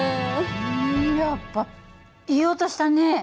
うんやっぱいい音したね。